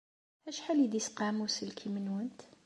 Acḥal ay d-yesqam uselkim-nwent?